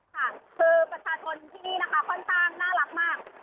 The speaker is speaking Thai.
ค่ะคือประชาชนที่นี่นะคะค่อนข้างน่ารักมาก